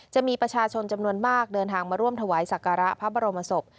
จะมีประชาชนจำนวนมากเดินทางมาร่วมถวายศักระพระบรมศพ